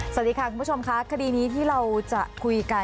สวัสดีค่ะคุณผู้ชมค่ะคดีนี้ที่เราจะคุยกัน